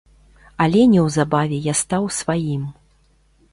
Але неўзабаве я стаў сваім.